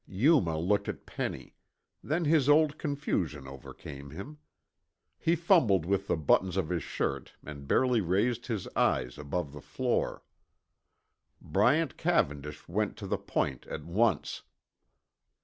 Yuma looked at Penny; then his old confusion overcame him. He fumbled with the buttons of his shirt and barely raised his eyes above the floor. Bryant Cavendish went to the point at once.